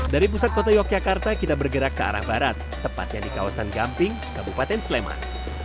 dari pusat kota yogyakarta kita bergerak ke arah barat tepatnya di kawasan gamping kabupaten sleman